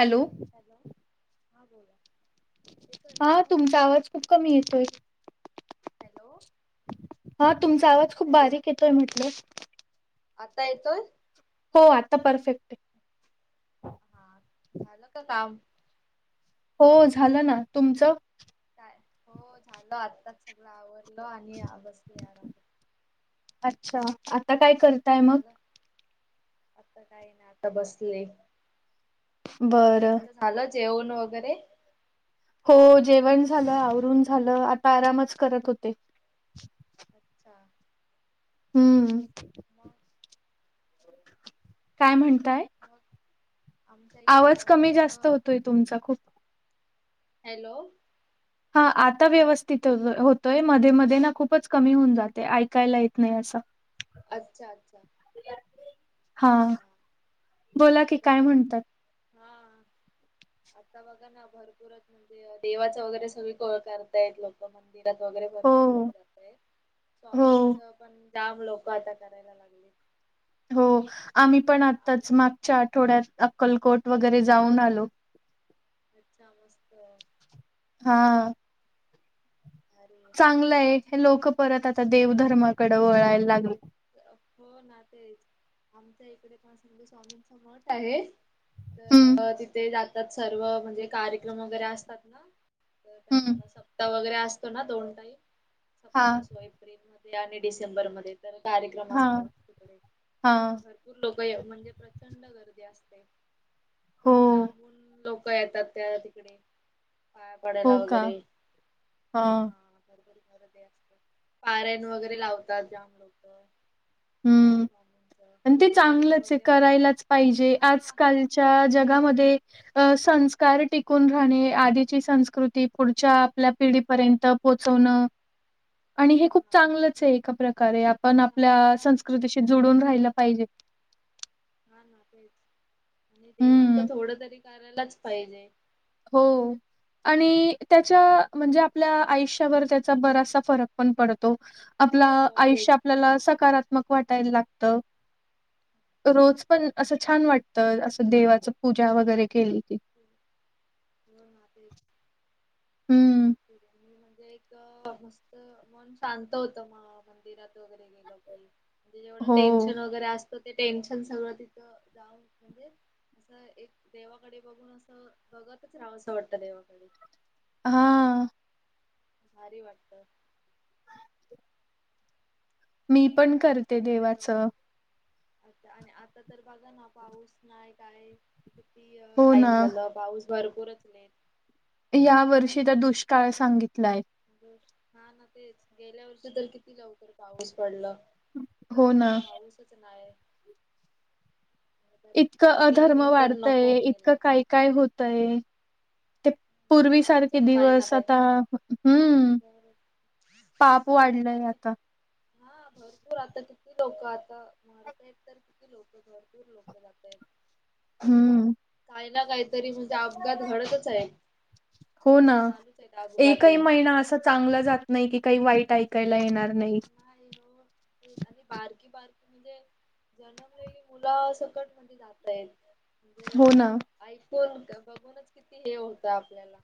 Hello. Hello, हां बोला येतोय ना हा तुमचा आवाज खूप कमी येतोय. हॅलो. हा तुमचा आवाज खूप हॅलो बारीक येतोय म्हटलं. आता येतोय? हो आता परफेक्ट आहे. हा झालं का काम? हो झालं ना, तुमचं काय हो, झालं आत्ताच सगळं आवरलं आणि बसले आराम अच्छा! आता काय करताय मग झालं, आता काय ना आता बसले. बरं. तुमचं झालं जेवण वगैरे हो जेवण झालं, आवरून झालं, आता आरामच करत होते. अच्छा! हम्म. मग काय म्हणताय? मग आमच्या इकडे, आवाज म्हजें कमी जास्त असं होतोय तुमचा खूप हॅलो. हा आता व्यवस्थित होतोय, मध्ये मध्ये ना खूपच कमी होऊन जाते. ऐकायला येत नाही असं अच्छा! अच्छा! हा बोला की, काय तर म्हणतात. हा, आता बघ बघ ना, भरपूरच म्हणजे देवाच वगैरे सगळी कळ करतायेत लोक म्हण मंदिरात वगैरे भरपूर हो लोक राहतय, हो स्वामींच पण जाम लोक आता करायला लागले. हो आम्ही पण आत्ताच, आमच मागच्या आठवड्यात अक्कलकोट वगैरे जाऊन आलो. अच्छा! मस्त आहे. हा. अरे. चांगलं आहे हे लोक परत आता देवधर्माकडे वळायला लागले हो ना तेच आमच्या इकडे पण संघ स्वामींच मठ आहे हम्म तर तिथे जातात सर्व म्हणजे कार्यक्रम वगैरे असतात ना तर का हम्म मला सप्ताह वगैरे असतो ना दोन टाईम हा सप्ताह असूय एप्रिलमध्ये आणि डिसेंबरमध्ये तर कार्यक्रम हा असत तिकडे हा भरूर लोक म्हणजे प्रचंड गर्दी असते हो खूप लांबून लोक येतात त्या तिकडे पाया हो पडायला का वगैरे हा ह रबरदी असत पारन वगैरे लावतात जाम लोक हम्म स्वामींच आणि ते गुरुचरित्र चांगलंच आहे वगैरे वाचतात. करायलाच पाहिजे हा आजकाल च्या जगामध्ये अ संस्कार टिकून राहणे आधची संस्कृती पुढच्या आपल्या पिढी पर्यंत पोहो खूप हा चांगलंच आहे एका प्रकारे आपण आपल्या चांगला आहे संस्कृतीशी जुडून राहिला पाहिजे हा ना तेच आणि देवाच हं, थोडं तरी करायलाच पाहिजे हो आणि त्याच्या म्हणजे आपल्या आयुष्यावर त्याचा बरासा फरक पण पडतो हो आपलं हो आयुष्य तेच. आपल्याला सकारात्मक वाटायला लागत रोज पण असं छान वाटतं असं देवाच पूजा वगैरे केली की नात हं. मी म्हणजे एक मस्त मन शांत होतं मग मंदिरात वगैरे गेल की म्हणजे जेवढ हो. टेनशन वगैरे असतं ते टेनशन सगळं तिथं म्हणजे असं एक देवाकडे बघून असं बघतच राहावं असं वाटतं देवाकडे हा भारी वाटतं मी पण आता करते तर देवाचं. आता आणि आता तर बघा ना पाऊस नाहीय काय किती हो ना. टाइम झालं पाऊस भरपूरच नाही या वर्षीचा दुष्काळ सांगितलाय हा ना तेच गेल्यावरती तर किती लवकर पाऊस पडला हो ना. यंदा पाऊसच नाही इतकं अधर्म गरमीनी तर नको वाढतय इतकं केला. काय काय होतय ते चालूच पूर्वीसारखे आहे काही ना दिवस आता काहीतरी हम्म बर पाप आता ते तर वाढलंय आता हा भरपूर आता किती लोक आता मारत आहेत किती लोक भरपूर लोक जात आहेत हम काही ना काहीतरी म्हणजे अपघात घडतच आहे हो ना एकही अपघाते. महिना असा चांगलं जात नाही की काही वाईट ऐकायला येणार नाही हय हो ते आणि बारकी बारकी म्हणज जन्मलेली मुलं सकटमध्ये जातय म्हणजे हो ना असं ऐकून बघूनच किती हे होतं आपल्याला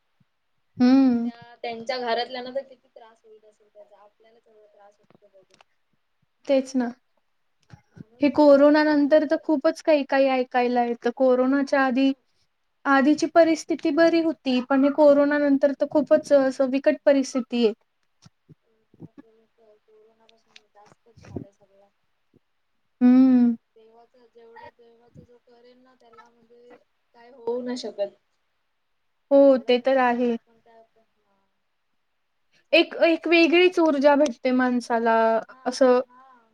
हम्म त्या त्यांच्या घरातल्याना तर किती त्रास होईत असेल त्या आपल्याला चवढ त्रास होतो पाजे तेच ना [unintelligible] हे कोरोना देवाचं थोडं नंतर तर खूपच बर काही काही ऐकायला आहे तर हा कोरोनाच्या आधी म्हणून आधीची परिस्थिती बरी होती पण हे कोरोना नंतर तर खूपच अस विकट परिस्थिती आहे कोरोनापासून विकास खप झालाय सगळं हम्म तेव्हाच जेवढं तेव्हाच जो करेन ना त्याला म्हणजे? काय होऊ नाही शकत. हो, थोडं ते तरी तर म्हणजे आहे. [unintelligible] एक चांगलंय एक म्हणजे वेगळीच ऊर्जा आपल्यासाठी भेटते माणसाला. हा असं- हा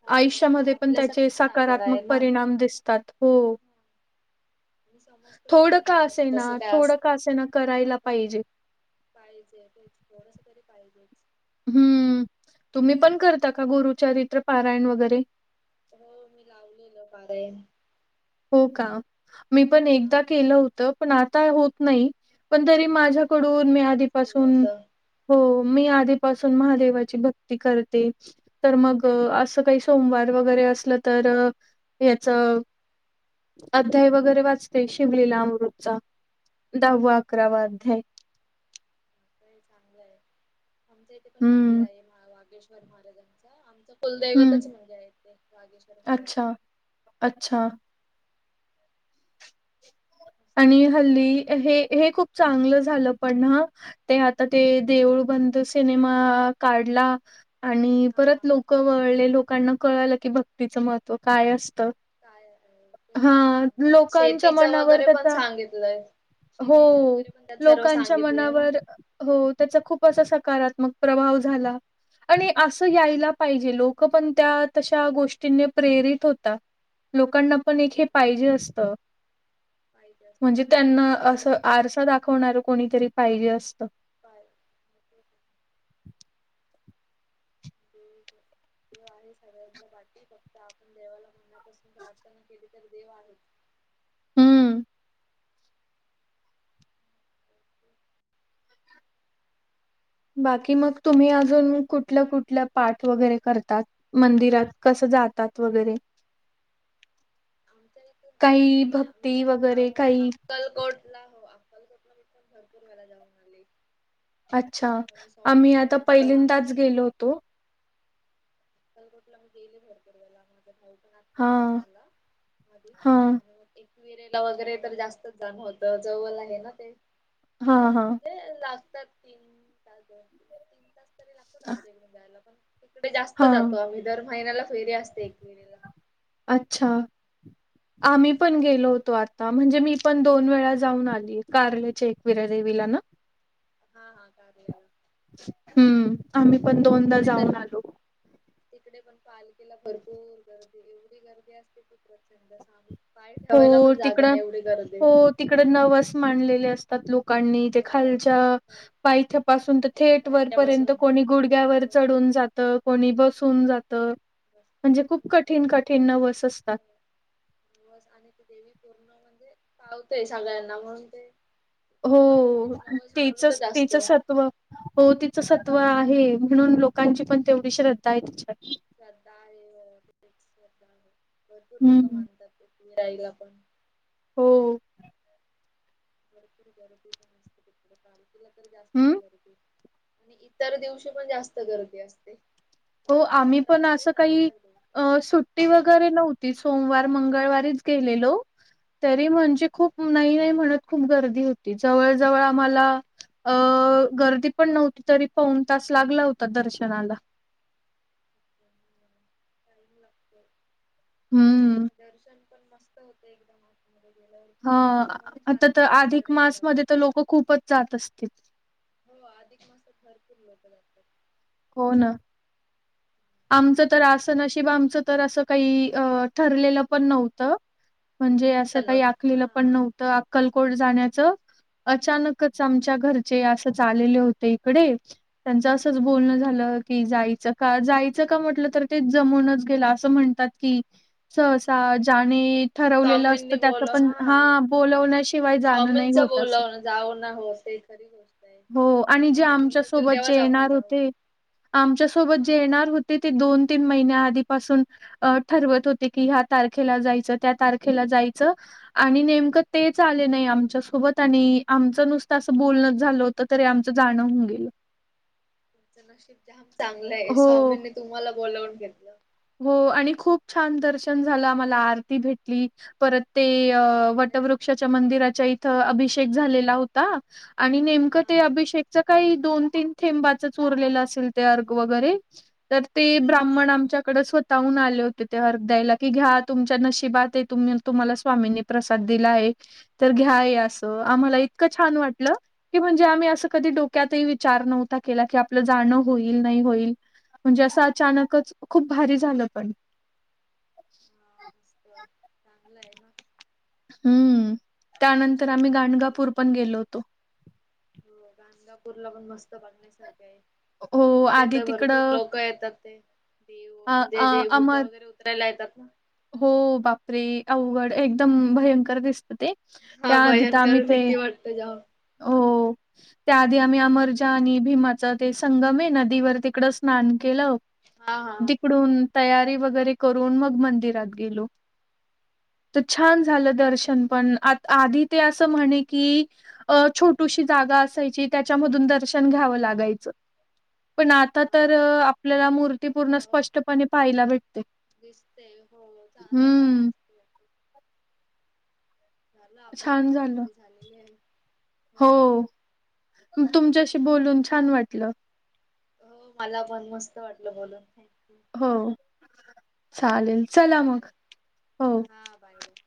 चांगलं होत आयुष्यामध्ये पण त्याचे आपल्यासाठीच चांगलं आहे सकारात्मक ना. परिणाम दिसतात. हो. समजत थोडं सगळ का देवाच कस असेना, काय थोडं का असतं? असेना हा करायला थोडं- पाहिजे. पाहिजे तेच. थोडस तरी पाहिजेच. हम्म. तुम्ही पण करता का, गुरुचरित्र पारायण वगैरे? हो, मी लावलेलं पारायण. हो का? मी पण हा एकदा नाही, केलं होतं. पण आता होत नाही. पण तरी पण माझ्याकडून, मी एकदाच केलं आधीपासून- होतं हो. मी आधीपासून एक महादेवाची भक्ती करते. तर मग असं अच्छा काही सोमवार वगैरे असलं तर याच- अध्याय वगैरे वाचते. शिवलीलामृतचा दहावा, अकरावा अध्याय. चांगलंय, चांगलंय. आमच्या इथे पण मंदिर हं, आहे. महा- वागेश्वर महादेवाचं. आमच हं. कुलदैवतच म्हणजे आहे. ते वागेश्वर महादेव - अच्छा, अच्छा. मस्त आणि हल्ली, शांत हे हे खूप चांगलं झालं पण हं. ते आता ते देऊळबंद सिनेमा काढला- आणि परत हा लोक वळले. लोकांना कळालं की भक्तीचं महत्त्व काय असतं. काय आहे तेच ना. हा. त्यात लोकांच्या शेतीच मनावर वगैरे तर - पण सांगितलंय. शेतीचं हो. वगैरे पण त्यात सर्व लोकांच्या सांगितलंय ना. मनावर- हो. त्याचा खूप असा सकारात्मक प्रभाव झाला. आणि - असं हा ना. यायला हा पाहिजे. लोक पण त्या तशा गोष्टींनी प्रेरित होतात. लोकांना पण एक ना. हे पाहिजे असतं. पाहिजे म्हणजे त्यांना असतात सगळे असं आरसा दाखवणारं कोणीतरी पाहिजे असतं. बाय. ह. देव आहे सगळ्यांच्या पाठी. फक्त आपण देवाला मनापासून प्रार्थना केली तर, देव आहेत. हम्म. बाकी मग तुम्ही अजून कुठल्या कुठल्या- पाठ वगैरे करतात? मंदिरात कसं जातात? वगैरे. आमच्या इथून असं म्ह काही मी. आम्ही भक्ती पण वगैरे जाऊन काही अक्कलकोट- ला. हो अक्कलकोटला मी पण भरपूर वेळा जाऊन आले. अच्छा. कारण का मी आम्ही स्वामींना आता जास्त मानते. पहिल्यांदाच गेलो होतो. अक्कलकोटला मी गेले भरपूर वेळा. माझा भाऊ पण आत्ता हा जाऊन आला. हा मधी- एकविरेला वगैरे तर जास्तच जाण होत. जवळ आहे ना ते? हा जवळ हा म्हणजे लागतात तीन तास- तीन तास तरी लागतात आमच्या इकडे जायला. पण तिकडे जास्त हा जातो आम्ही दर महिन्याला फेरी असते. ते एकविरेला. अच्छा. आम्ही पण गेलो होतो आत- म्हणजे मी पण दोन वेळा जाऊन आली. कारल्या च्या एकवीरा देवीला ना? हा हा कारल्या - हम्म. आम्ही पण आणि दोनदा तिकडे तर- जाऊन आलो. तिकडे पण पालखीला भरपूर गर्दी. एवढी गर्दी असते की प्रचंड सांग- पाय ठेवायला पण जागा नाही एवढी गर्दी. तिकडे नवस माांनलेले असतात लोकांनी ते हो खालच्या- पायथ्यापासून तर थेट वरपर्यंत पायथ्यापासून कोणी गुडघ्यावर- हो चढून जात. कोणी बसून जात. म्हणजे हा खूप कठीण कठीण नवस असत- दिवस आणि टी देवी पूर्ण म्हणजे पावतय सगळ्यांना म्हणून ते कोण ना हो कोणतरी नवस तेचच बोलतच त्याच असतो सत्व हो तिचं सत्त्व आहे म्हणून लोकांची पण तेवढी श्रद्धा आहे तिच्यावर श्रद्धा आहे, भरपूर लोक हम्म मानतात आईला पण हो. भरपूर गर्दी असते, पालखीला तर जास्तच हम्म गर्दी आणि इतर दिवशी पण जास्त गर्दी असते, हो पालखीला आम्ही तर पण असं असतेच आणि काही इतर दिवशी अ सुट्टी वगैरे नव्हती सोमवार मंगळवारीच गेलेलो. तरी म्हणजे खूप नाही नाही म्हणत खूप गर्दी होती जवळ जवळ आम्हाला अ गर्दी पण नव्हती तरी पाऊन तास लागला होता दर्शनाला टाईम लागतो, हम्म. दर्शन पण मस्त होते एकदात मध्ये गेल्यावर ह एकदम मन आता शांत तर अधिक तिकडे गेल्यावर मासमध्ये तर लोक खूपच जात असतील? हो अधिक मास भरपूर लोकं जातात. हो ना. आमचं तर आस नशिब आमचं तर असं काही अस ठरलेलं पण नव्हतं म्हणजे असं काही अचानक हा आखलेलं पण नव्हतं अक्कलकोट जाण्याचं अचानकच अच्छा आमच्या घरचे अस चालले होते इकडे त्यांच असच बोलणं झालं की, जायच का? जाय का म्हटलं तर ते जमूनच गेला असं म्हणतात की, सहसा ज्याने ठरवलेलं असतं स्वामींनी त्याच बोल पण हा बोलवण्याशिवाय आणि जाणं नाही स्वामींचं होत अस बोलवण जाऊ ना हो ते खरी गोष्ट आहे. हो जेव्हा आणि जे स्वामी आमच्या बोलवतील सोबत जे तेव्हाच आपण येणार जाऊ. होते आमच्यासोबत हा जे येणार होते ते दोन तीन महिन्या आधीपासून अ ठरवत होते की, ह्या तारखेला जायचं, त्या तारखेला जायचं आणि नेमकं तेच आले नाही आमच्यासोबत आणि आमचं नुसतं असं बोलण झाल होतं तरी आमचं जाणं होऊ गेल. तुमचं नशीब जाम चांगलं आहे, हो. स्वामींनी तुम्हाला बोलावून घेतलं. हो आणि खूप छान दर्शन झालं आम्हाला आरती भेटली, परत ते म्हणजे वटवृक्षाच्या मंदिराच्या इथ अभिषेक झालेला होता आणि हा नेमकं ते हा अभिषेकच्या काही दोन तीन थेंबाच चोरलेलं असेल ते अर्ग वगैरे तर ते ब्राह्मण आमच्या कडे स्वतःहून आले होते ते अर्ग द्यायला, कि घ्या तुमच्या नशिबात ए तुम्ही तुम्हाला स्वामीनी प्रसाद दिला आहे तर घ्या असं आम्हाला इतकं छान वाटलं की म्हणजे आम्ही असं कधी डोक्यातही विचार नव्हता केला की आपलं जाणं होईल नाही होईल म्हणजे असं अचानकच खूप भारी झालं पण हा चांगलं आहे ना. हम्म त्यानंतर नशीब आम्ही तुमचं गाणगापूर पण गेलो होतो. हो गांजापूरला पण मस्त बघण्यासारखं आहे. हो तिथे आधी तर भरपूर तिकडं लोक येतात ते देव अ म्हणजे अ जे भूत अमर वगैरे उतरावयाला येतात ना? हो बापरे अवघड, एकदम भयंकर दिसत ते हा त्याआधी तर आम्ही भयंकर ते भीती वाटते जाम हो त्याआधी आम्ही अमरजा आणि भीमाच ते संगम आहे नदीवर तिकडं स्नान केलं हा हा. होतं. तिकडून तयारी वगैरे करून मग मंदिरात गेलो. तर छान अच्छा झालं दर्शन मस्त. पण आ आधी ते असं म्हणे की अ छोटूशी जागा असायची, त्याच्यामधून दर्शन घ्यावं लागायचं पण आता हा तर आपल्याला मूर्ती पूर्ण आता स्पष्टपणे पाहायला भेटते. दिसते हो [unintelligible] दर्श हम्म. नसते. झालं आपलं छान दहा झालं. मिनटे झालेली आहे. हो. तुमच्याशी बोलून छान वाटलं. हो मला पण मस्त वाटलं बोलून. थँक्यू हो चालेल. चला मग. बाय हो. हा बाय बाय